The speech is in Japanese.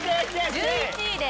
１１位です。